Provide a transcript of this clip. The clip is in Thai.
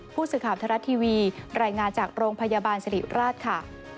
ผู้สื่อข่าวทรัฐทีวีรายงานจากโรงพยาบาลสิริราชค่ะ